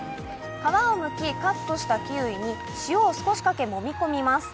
皮をむき、カットしたキウイに塩を少しかけ、もみ込みます。